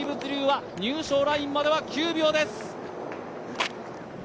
入賞ラインまでは９秒です。